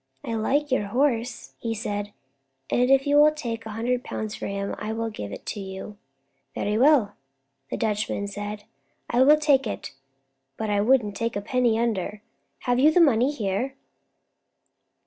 "I like your horse," he said, "and if you will take a hundred pounds for him, I will give it you." "Very well," the Dutchman said, "I will take it, but I wouldn't take a penny under. Have you the money here?"